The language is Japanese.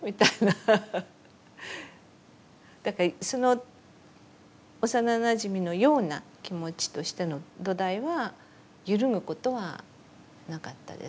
だからその幼なじみのような気持ちとしての土台は揺るぐことはなかったですね。